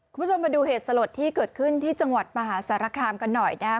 คุณผู้ชมมาดูเหตุสลดที่เกิดขึ้นที่จังหวัดมหาสารคามกันหน่อยนะครับ